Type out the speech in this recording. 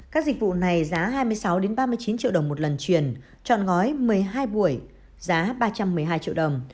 các dịch vụ này giá hai mươi sáu ba mươi chín triệu đồng một lần truyền chọn ngói một mươi hai buổi giá ba trăm một mươi hai triệu đồng